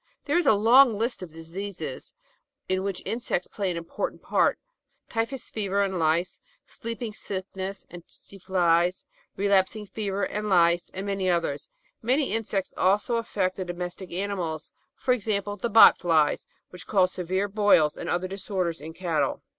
There is a long list of diseases in which insects play an important part — typhus fever and Lice, sleeping sickness and Tsetse Flies, relapsing fever and Lice, and many others. Many insects also affect the domestic animals, for example the "bot flies" which cause severe boils and other disorders in cattle.